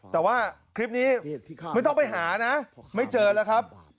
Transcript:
แต่ว่าคลิปนี้ไม่ต้องไปหานะไม่เจอแล้วครับ